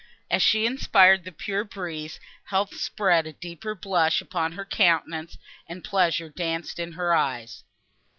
As she inspired the pure breeze, health spread a deeper blush upon her countenance, and pleasure danced in her eyes.